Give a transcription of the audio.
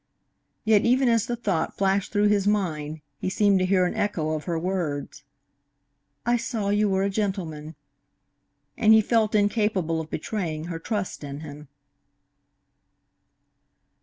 Yet even as the thought flashed through his mind he seemed to hear an echo of her words, "I saw you were a gentleman," and he felt incapable of betraying her trust in him.